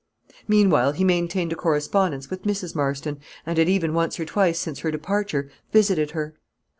Meanwhile he maintained a correspondence with Mrs. Marston, and had even once or twice since her departure visited her.